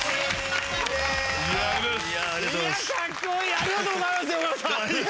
ありがとうございます横山さん。